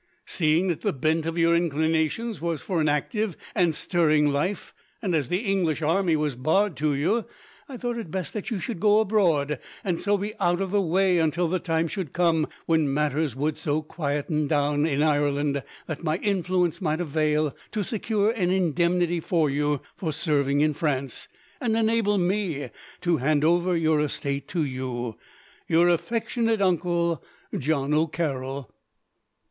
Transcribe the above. Seeing that the bent of your inclinations was for an active and stirring life, and as the English army was barred to you, I thought it best that you should go abroad, and so be out of the way until the time should come when matters would so quieten down, in Ireland, that my influence might avail to secure an indemnity for you for serving in France, and enable me to hand over your estate to you. Your affectionate uncle, John O'Carroll.